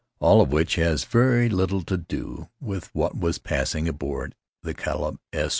All of which has very little to do with what was passing aboard the Caleb S.